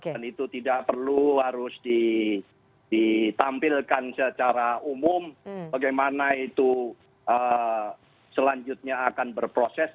itu tidak perlu harus ditampilkan secara umum bagaimana itu selanjutnya akan berproses